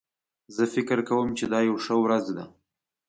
زه فکر کوم چې دا یو ښه ورځ ده